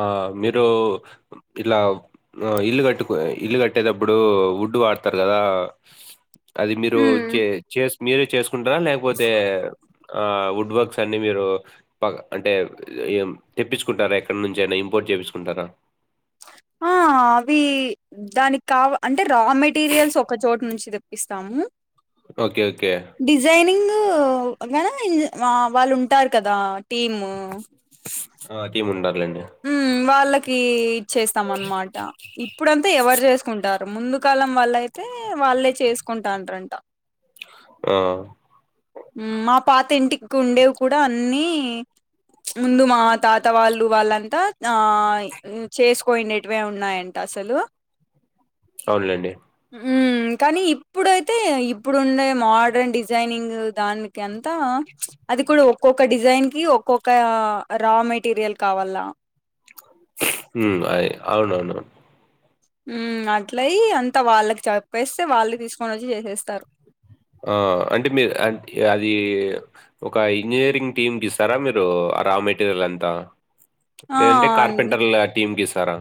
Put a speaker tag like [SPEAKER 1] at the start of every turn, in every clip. [SPEAKER 1] ఆ మీరూ ఇలా ఆ ఇల్లు కట్టుకు ఇల్లు కట్టేటప్పుడు వుడ్డు వాడతారు కదా అది మీరు చే
[SPEAKER 2] హ్మ్.
[SPEAKER 1] చే మీరే చేసుకుంటారా లేకపోతే ఆ వుడ్ వర్క్స్ కనీ మీరు ప అంటే ఏ తెప్పించుకుంటార ఎక్కడి నుంచి అయినా ఇంపోర్ట్ చేపిచుకుంటారా
[SPEAKER 2] ఆ అవి దానికి కావ అంటే రౌ మెటీరియల్స్ ఒక చోటు నుంచి తెప్పిస్తాము
[SPEAKER 1] ఓకే ఓకే
[SPEAKER 2] వ వాళ్ళు ఉంటారు కదా టీమ్
[SPEAKER 1] ఆ టీమ్ ఉండర్లెండి
[SPEAKER 2] మ్ వాళ్ళకి ఇచ్చేస్తాం అనమాట ఇప్పుడంతా ఎవరు చేస్త కుంటారు ముందు కాలం వాళ్ళ అయితే వాళ్ళే చేసుకుంటా అంటార్ అంట
[SPEAKER 1] ఓహ్
[SPEAKER 2] మా పాత ఇంటికి ఉండేవి కూడా అన్ని ముందు మా తాత వాళ్ళు వాళ్ళంతా ఆ చేసుకోయినటివే ఉన్నాయంట అసలు
[SPEAKER 1] అవునులెండి.
[SPEAKER 2] మ్ కానీ ఇప్పుడైతే ఇప్పుడుండే మోడర్న్ డిజైనింగ్ దానికి అంత త అది కూడా ఒక్కొక్క డిజైన్ కి ఒక్కొక్క రా మెటీరియల్ కావాల
[SPEAKER 1] హుమ్ అయి అవునవును
[SPEAKER 2] మ్ అట్లయి అంత వాళ్ళకి చెప్పేస్తే వాళ్ళే తీసుకొని ఓచ్చి చేసేస్తారు
[SPEAKER 1] ఆ అంటే మీరు అంట్ ఆది ఒక ఇంజనీరింగ్ టీమ్కి ఇస్తారా మీరు రా మెటీరియల్ అంతా
[SPEAKER 2] ఆ!
[SPEAKER 1] లేదంటే
[SPEAKER 2] అండి.
[SPEAKER 1] కార్పెంటర్ల టీమ్ కిస్తారా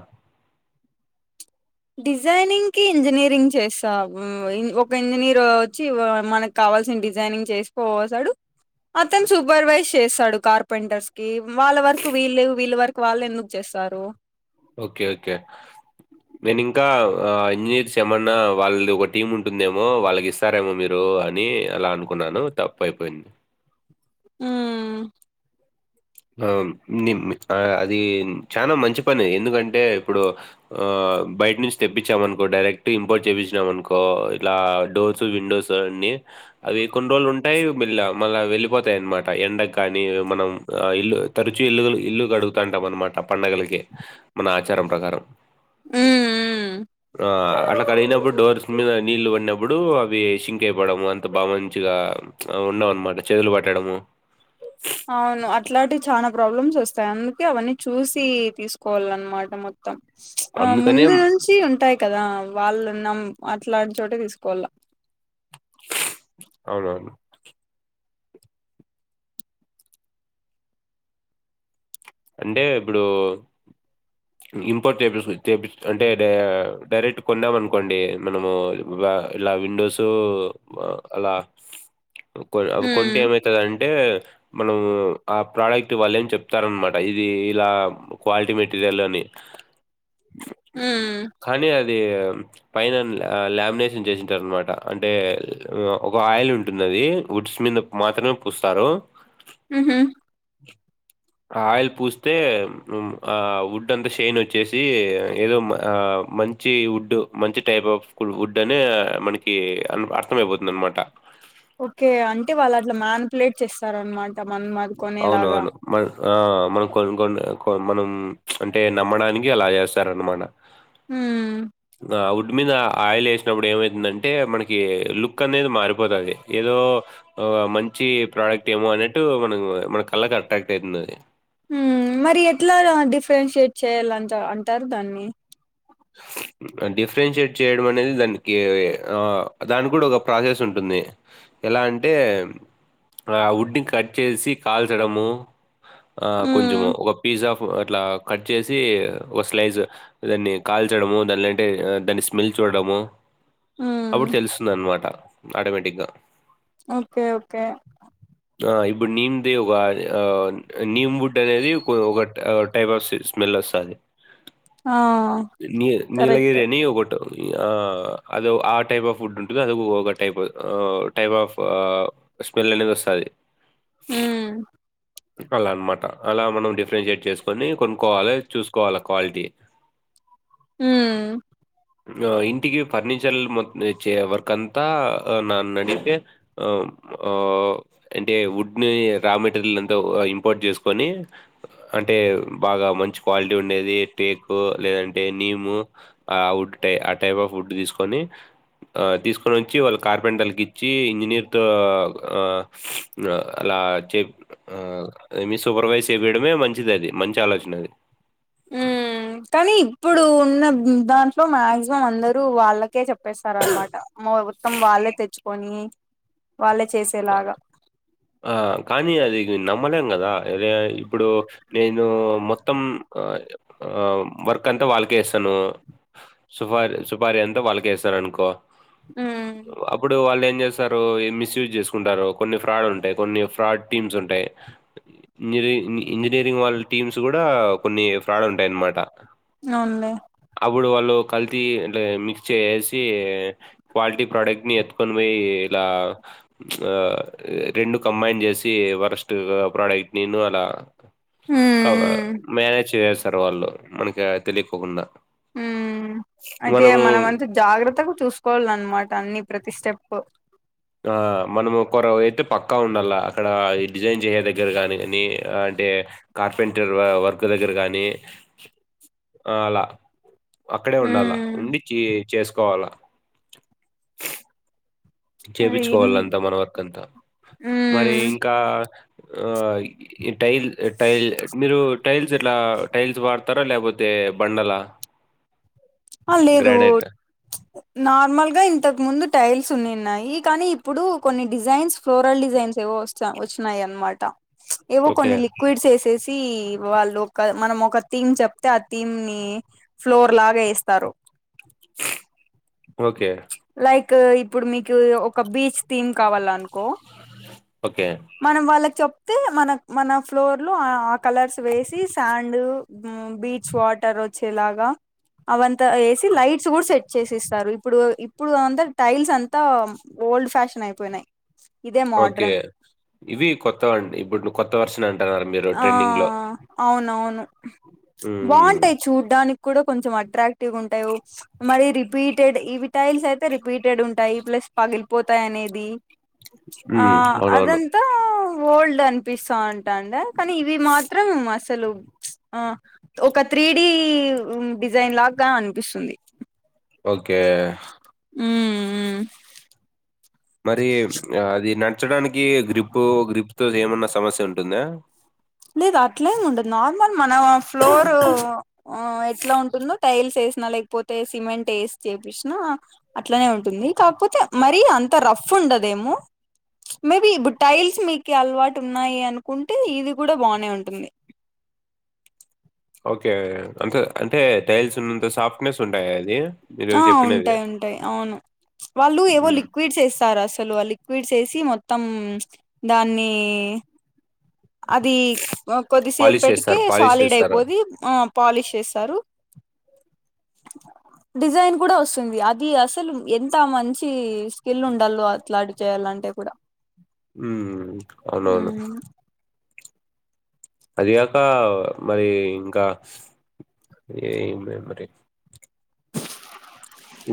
[SPEAKER 2] డిజైనింగ్ కి ఇంజనీరింగ్ చేస్తా మ్ ఓ ఒక ఇంజనీర్ ఓచ్చి మనకి క వాల్సిన్ డిజైనింగ్ చేసుకపోతాడు అతను సూపర్వైజ్ చేస్తాడు కార్పెంటర్స్ కి వాళ్ళ వరకు వీళ్ళ వీళ్ళ వరకు వాళ్ళు ఎందుకు చేస్త సారు
[SPEAKER 1] ఓకే ఓకే నేను ఇంకా ఆ ఇంజనీర్స్ ఏమన్నా వాళ్ళది ఒక టీమ్ ఉంటుందేమో వాళ్ళకి ఇస్తారేమో మీరూ అని అలా అనుకున్నాను తప్పు అయిపోయింది
[SPEAKER 2] హమ్
[SPEAKER 1] ఆ ని మీ అది చానా మంచి పనే ఎందుకంటే ఇప్పుడు ఆ ఆ బయట నుంచి తెప్పించాం అనుకో డైరెక్ట్ ఇంపోర్ట్ చేపిచినాం అనుకో ఇలా డోర్స్ విండోస్ అన్ని అవి కొన్ని రోజులు ఉంటాయి మీల మళ్ళా వెళ్ళిపోతాయి అన్నమాట ఎండకు కానీ మనం ఆ ఇల్లు తరుచు ఇల్లు ఇల్లు కడుగుతాంటాం అనమాట పండగలకి మన ఆచారం ప్రకారం
[SPEAKER 2] మ్ మ్
[SPEAKER 1] ఆ అటె కడిగినప్పుడు డోర్స్ మీద నీళ్లుు పడినప్పుడు అవి షింక్ అయిపోడం అంత బాగా మంచిగా ఆవ్ ఉండవ్ అన్నమాట చేదులు పట్టడము
[SPEAKER 2] అవును అట్లాంటివీ చాలా ప్రాబ్లమ్స్ ఓస్తాయి అందుకే అవన్నీ చూసి తీసుకోవాలన్నమాట మొత్తం ఆ
[SPEAKER 1] అందుకనే
[SPEAKER 2] ముందు నుంచి ఉంటాయి కదా వాళ్ళు నం అట్లాంటి చోటే తీసుకోవాల
[SPEAKER 1] అవునవును అంటే ఇప్పుడు ఇంపోర్ట్పిపి అంటే డైరెక్ట్ కొందాం అనుకోండి మనము ఆ ఇలా విండోస్ మా అలా ఇంకో అవ్వి
[SPEAKER 2] ఉమ్
[SPEAKER 1] కొంటే ఏమైతది అంటే మనం ఆ ప్రోడక్ట్ వాళ్ళు ఏం చెప్తారన్నమాట పైది ఇలా క్వాలిటీ మెటీరియల్ని
[SPEAKER 2] ఉమ్
[SPEAKER 1] కానీ అ ది పైన ఆ లామినేషన్ చేసింటారు అనమాట అంటే ఒక ఆయిల్ ఉంటుంది ఆది వుడ్స్ మీద మాత్రమే పూస్తారు
[SPEAKER 2] ఉ హు
[SPEAKER 1] ఆయిల్ పూస్తే మ్ ఆ వడ్ అంతా షైన్ ఓచ్చేసి ఏదో ఆ మంచి వుడ్ మంచి టైప్ ఆఫ్ వడ్ అనే మనకి అర్థంమయిపోతుంది అనమాట
[SPEAKER 2] ఓకే అంటే వాళ్ళు అట్లా మ్యాన్పులేట్ చేస్తార్ అనమాట మనం ఆదికొనేలాగా
[SPEAKER 1] అవునవును మన ఆ మనం కొన్ని కొ మనం అంటే నమ్మడానికి అలా చేస్తార నమాన
[SPEAKER 2] ఉమ్
[SPEAKER 1] వుడ్ మీద ఆయిల్ వేసినప్పుడు ఏమయితుందంటే మనకి లుక్ అనేది మారిపోతుంది ఏదో మంచి ప్రోడక్ట్ ఏమో అనేట్టు మనం మన కళ్ళకి అట్రాక్ట్ అయితుంది అది
[SPEAKER 2] ఉమ్ మరి ఎట్లా డిఫరెన్షియేట్ చేయాలంట అంటారు దాన్ని
[SPEAKER 1] డిఫరెన్షియేట్ చేయడం అనేది దానికి ఆ దానికి కూడా ఒక ప్రాసెస్ ఉంటుంది ఎలా అంటే ఆ వుడ్ని కట్ చేసి కాల్చడము ఆ కొంచము
[SPEAKER 2] ఉమ్
[SPEAKER 1] ఒక పీస్ ఆఫ్ అట్లా కట్ చేసి ఒక స్లైజ్ దాన్ని కాల్చడము దానింటే దాన్ని స్మెల్ చూడడము అప్పుడు
[SPEAKER 2] ఉమ్
[SPEAKER 1] తెలుస్తుందన్నమాట ఆటోమటిగ్గ
[SPEAKER 2] ఓకే ఓకే
[SPEAKER 1] ఆ ఇప్పుడు నీమ్ది ఒక నీమ్బుడ్ అనేది ఒక టైప్ ఆఫ్ స్మెల్ సది
[SPEAKER 2] ఆ
[SPEAKER 1] నీ
[SPEAKER 2] కరెక్ట్
[SPEAKER 1] నీలాగిరిని ఒకటు ఆ అద ఆ టైప్ ఆఫ్ ఫుడ్ ఉంటది అది ఒకగా టైప్ టైప్ ఆఫ్ స్మెల్ అనేది వస్తది
[SPEAKER 2] ఉమ్
[SPEAKER 1] అలా అనమాట అలా మనం డిఫరెన్షియేట్ చేసుకొని కొనుక్కోవాలి చూసుకోవాలి క్వాలిటీ
[SPEAKER 2] ఉమ్
[SPEAKER 1] ఆ ఇంటికి ఫర్నిచర్ మొచ్చ వర్క్ అంతా నన్నడిగితే ఆ ఆ అంటే వుడ్ ని రా మెటీరియల్ ఇంపోర్ట్ చేసుకొని అంటే బాగా మంచి క్వాలిటీ ఉండేది టేకు లేదంటే నీము ఆ వుడ్ ఆ టైప్ ఆఫ్ ఫుడ్ తీసుకొని తీసుకొని వచ్చి వాళ్ళ కార్పెంటర్కి ఇచ్చి ఇంజనీర్తో అలా ఆ చె ఆ సూపర్వైజ్ చెపియడమే మంచిదండి అది మంచి ఆలోచన అది
[SPEAKER 2] ఉమ్ కానీ ఇప్పుడు ఉన్న దాంట్లో మాక్సిమం అందరూ వాళ్ళకే చె ప్పేస్తారనమాట మా మొత్తం వాళ్ళే తెచ్చుకొని వాళ్ళే చేసేలాగా
[SPEAKER 1] ఆ కానీ అది న మ్మలేం కాదా ఇప్పుడు నేను మొత్తం త్తం వాళ్ళక ఇస్తాను సుపారి సుపారి అంత వాళ్ళకేస్తాను అనుకో
[SPEAKER 2] ఉమ్
[SPEAKER 1] అప్పుడు వాళ్ళు ఏం చేస్తారు మిస్యూజ్ చేసుకో కొన్ని ఫ్రాడ్లు ఉంటాయి కొన్ని ఫ్రాడ్ టీమ్స్ ఉంటాయి ఇంజనీరింగ్ ఇంజనీరింగ్ వాళ్లు టీమ్స్ కూడా కొన్ని ఫ్రాడ్ ఉంటాయన్నమాట
[SPEAKER 2] అవునులే
[SPEAKER 1] అప్పుడు వాళ్ళు కల్తీ మిక్స్ చేసి క్వాలిటీ ప్రొడక్ట్ ని ఎత్తుకొని పోయి ఇలా ఆ రెండు కంబైన్ చేసి వర్స్ట్ ప్రొడక్ట్ నేను అలా క
[SPEAKER 2] ఉమ్
[SPEAKER 1] మేనేజ్ చేసేస్తారు వాళ్ళు మనకి తెలికోకుండా
[SPEAKER 2] ఉమ్ అయితే మనమ అంతా జాగ్రత్తగా చూసుకోవాల అన్నమాట అన్ని ప్రతిస్టేపు
[SPEAKER 1] ఆ మనము ఒకరం అయితే పక్కా ఉండాల అక్కడ ఈ డిజైన్ చేయేద గ్గర గాని ని అంటే కార్పెంటర్ వర్క్ దగ్గర గాని ఆ అలా అక్కడే ఉండాలా
[SPEAKER 2] ఉమ్
[SPEAKER 1] ఉండి చే చేసుకోవాలా
[SPEAKER 2] అది
[SPEAKER 1] చేపించుకోవాలంత మన వరకు అంతా మరి
[SPEAKER 2] ఉమ్
[SPEAKER 1] ఇంకా ఆ టైల్ టైల్ మీరు టైల్స్ ఇట్లా టైల్స్ వాడు తర లేపోతే బండల
[SPEAKER 2] ఆ లేదు నార్మల్ గా ఇంతకు ముందు టైల్స్ ఉన్నాన్నాయి కానీ ఇప్పుడు కొన్ని డిజైన్స్ ఫ్లోరల్ డిజైన్స్ ఏవో వస్తా వచ్చినాయి అనమాట ప్చ్ ఏవో
[SPEAKER 1] ఓకే.
[SPEAKER 2] కొన్ని లిక్విడ్ ఏసేసి తీ వాళ్ళు ఒక మనం ఒక థీమ్ చెప్తే ఆ థీమ్ ని ఫ్లోర్ లాగా ఏస్ తరు
[SPEAKER 1] ఓకే
[SPEAKER 2] లైక్ ఇప్పుడు మీకు ఒక బీచ్ థీమ్ కావాలనుకో
[SPEAKER 1] ఓకే.
[SPEAKER 2] మనం వాళ్లకి చెప్తే మనక్ మన ఫ్లోర్ లో ఆ ఆ కలర్స్ వేసి శాండ్ బీచ్ వాటర్ వచ్చేలాగా అవంతా వేసి లైట్స్ గూడా సెట్ చేసి ఇస్తారు ఇప్పుడు ఇప్పుడంతా టైల్స్ అంతా ఓల్డ్ ఫ్యాషన్ అయిపోయినయ్
[SPEAKER 1] ఓకే ఇవి కొత్తవండి ఇప్పుడు కొత్తగ వర్షన్ అం
[SPEAKER 2] ఆ అవునవును
[SPEAKER 1] హ్మ్.
[SPEAKER 2] బాగుంటాయి చూడ్డానికి ఇప్పుడు కొంచెం అట్రాక్టివ్ ఉంటాయ్ మరి రిపీటెడ్ ఇవి టైల్స్ అయితే రిపీటెడ్ ఉంటాయి ప్లస్ పగిలిపోతాయి అనేది
[SPEAKER 1] హ్మ్.
[SPEAKER 2] ఆ
[SPEAKER 1] హ్మ్. అవునవును.
[SPEAKER 2] అదంతా ఓల్డ్ అనిపిస్తా ఉంటాండ కానీ ఇవి మాత్రం మస్ అసలు ప్చ్ ఆ ఒక త్రీ డి డిజైన్ లాగా అనిపిస్తుంది
[SPEAKER 1] ఓకే
[SPEAKER 2] ఉమ్ ఉమ్
[SPEAKER 1] మరి అది నచ్చడానికి గ్రిపు గ్రిప్ తో ఏమన్న సమస్య ఉం టుందా
[SPEAKER 2] లేదు అట్లేమి ఉండదు నార్మల్ మన ఫ్లోర్ ఆ ఎట్లా ఉంటుందో టైల్స్ ఏసి న లేకపోతే సిమెంట్ ఏసి చేప్పిచిన అట్లానే ఉంటుంది కాకపోతే మరి అంత రఫు ఉండేదేమో మేబి ఇప్పుడు టైల్స్ మీకీ అలవాటు ఉన్నయ్ అనుకుంటే ఇవి గూడా బానే ఉంటుంది
[SPEAKER 1] ఓకే అంతే అంటే టైల్స్ ఉన్నంత సాఫ్ట్నెస్ ఉంటాయా అది మీరు
[SPEAKER 2] ఆ
[SPEAKER 1] చెప్పినవి?
[SPEAKER 2] ఉంటాయ్ ఉంటాయ్ అవును వాళ్ళు ఏవో
[SPEAKER 1] హ్మ్.
[SPEAKER 2] లిక్విడ్స్ వేస్తారు అసలు తలో లిక్విడ్స్ వేసి మొత్తం దాన్ని అది
[SPEAKER 1] పాలిష్
[SPEAKER 2] కొద్దిసేప్పటికే
[SPEAKER 1] చేస్తారు. పాలిష్
[SPEAKER 2] సాలిడ్
[SPEAKER 1] చేస్తారా?
[SPEAKER 2] అయిపోది ఆ పాలిష్ చేశారు డిజైన్ గూడా వస్తుంది అది అసలు ఎంత మంచి స్కిల్ ఉండలో అట్లాంటి చేయాలంటే అంటే కూడా
[SPEAKER 1] ఉమ్ అవునవును
[SPEAKER 2] ఉమ్
[SPEAKER 1] అదిగాక మరి ఇంకా ఏమో మరి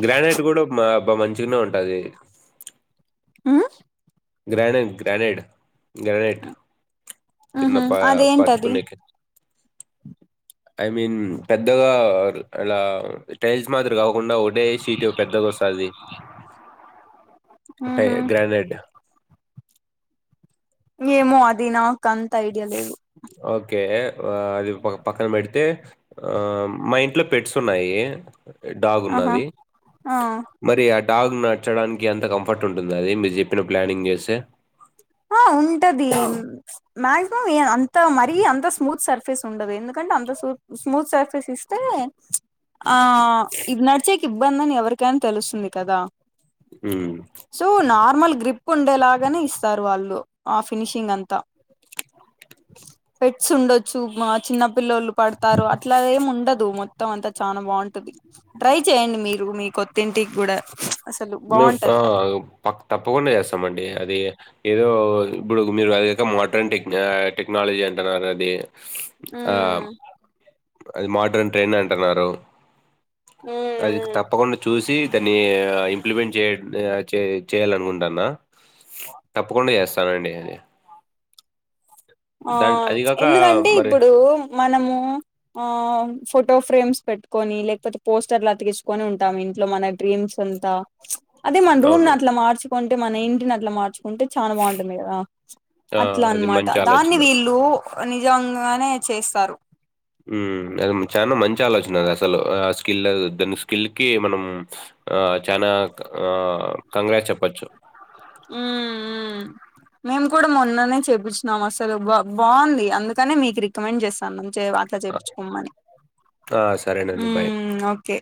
[SPEAKER 1] గ్రానైట్ కూడా బా మంచిగానే ఉంటది
[SPEAKER 2] ఆ
[SPEAKER 1] గ్రానేడ్ గ్రానేడ్ గ్రనేట్ కింద
[SPEAKER 2] ఉహు
[SPEAKER 1] ప
[SPEAKER 2] అదేంటది
[SPEAKER 1] పర్చూకునేకి ఐ మీన్ పెద్దగా అలా టైల్స్ మాది గాకుండా ఒకటే షీటు పెద్దగోస్తది అంటే
[SPEAKER 2] ఉహు
[SPEAKER 1] గ్రానేడ్
[SPEAKER 2] ఏమో అది నాకు అంత ఐడియా లేదు
[SPEAKER 1] ఓకే అది పక్కన పెడితే మా ఇంట్లో పెట్స్ ఉన్నాయి డాగ్
[SPEAKER 2] ఆహా
[SPEAKER 1] ఉన్నది
[SPEAKER 2] ఆ
[SPEAKER 1] మరి అ డాగ్ నడ్చడానికి అంత కంఫర్ట్ ఉంటదా అది మీరు చెప్పిన ప్లానింగ్ చేస్తే
[SPEAKER 2] ఆ ఉంటది ప్చ్ మాక్సిమం ఏ అంత మరీ అంత స్మూత్ సర్ఫేస్ ఉండదు ఎందుకంటే అంత సూత్ స్మూత్ సర్ఫేస్ ఇస్తే ఉ ప్చ్ ఆ ఇవి నడిచేకి ఇబ్బంది అని ఎవరికైనా తెలుస్తుంది కదా
[SPEAKER 1] హ్మ్.
[SPEAKER 2] సో నార్మల్ గా గ్రిప్ ఉండేలాగానే ఇస్ స్తారు వాళ్ళు ఆ ఫినిషింగ్ అంతా పెట్స్ ఉండొచ్చు మా చిన్న పిల్లోలు పడ్తారు అట్లా ఏం ఉండదు మొత్తం అంత చనా బాగుంటది ట్రై చెయండి మీరు మీకో
[SPEAKER 1] ము ఆ ప్ క్ తప్పకుండా చేస్తామండి అది ఏదో ఇప్పుడు మీరు అదేదో మోడ్రన్ టెక్ టెక్నాలజీ అంటున్నారు కద అది
[SPEAKER 2] మ్
[SPEAKER 1] ఆహ్, అది మోడ్రన్ ట్రైన్ అంటున్నారు అది
[SPEAKER 2] ఉమ్
[SPEAKER 1] తప్పకుండా చూసి దన్ని ఇంప్లిమెంట్ చేయ్ చే చే చేయ్యలనుకుంటాన్న తప్పకుండా చేస్తానండి అది
[SPEAKER 2] ఆ
[SPEAKER 1] దాన్ అది గాక
[SPEAKER 2] ఎందుకంటే
[SPEAKER 1] మరి
[SPEAKER 2] ఇప్పుడూ మనమూ ఆ ఫొటో ఫ్రేమ్స్ పెట్టుకొని లేకపోతే పోస్టర్లతికిచ్చుకొని ఉంటాము ఇంట్లో మన డ్రీమ్స్ సంతా అదే మన రూమ్
[SPEAKER 1] అవును.
[SPEAKER 2] నట్లా మార్చుకుంటే మన ఇంటినట్లా మార్చ్ ఉంటే చాన బాగుంటుంది కదా
[SPEAKER 1] ఆ! అది
[SPEAKER 2] అట్లన్మాట
[SPEAKER 1] మంచి
[SPEAKER 2] దాన్ని
[SPEAKER 1] ఆలోచన.
[SPEAKER 2] వీళ్ళు నిజంగానే చేస్తారు
[SPEAKER 1] మ్ అ చాలా మంచి ఆలోచన అది అసలు ఆ స్కిల్ దాని స్కిల్కి మనం ఆ చనా ఆ కంగ్రాట్ చెప్పోచ్చు
[SPEAKER 2] మ్ మ్ మేము కూడా మొన్ననే చేపించినాం అసలు బా బాగుంది అందుకనే మీకు రికమెండ్ చేస్తాన్నం చే అట్లా చేపిచ్చుకోమ్మని
[SPEAKER 1] ఆ! సరేనండి. బాయ్.
[SPEAKER 2] మ్ ఓకే